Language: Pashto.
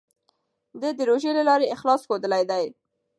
ده د روژې له لارې اخلاص ښودلی دی.